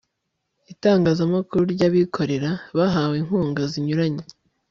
itangazamakuru by'abikorera bahawe inkunga zinyuranye